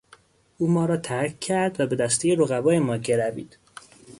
او ما را ترک کرد و به دستهی رقبای ما گروید.